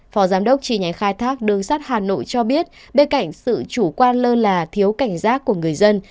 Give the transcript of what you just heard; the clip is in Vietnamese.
phó giám đốc tri nhánh khai thác đường sắt hà nội cho biết bên cạnh sự chủ quan lơ là thiếu cảnh giác của người dân